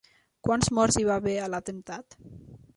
Quants morts hi va haver a l'atemptat?